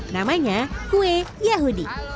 namanya kue yahudi